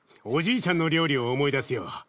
おじいちゃんの料理を思い出すよ。